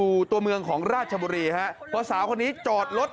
มันคงอัดอันมาหลายเรื่องนะมันเลยระเบิดออกมามีทั้งคำสลัดอะไรทั้งเต็มไปหมดเลยฮะ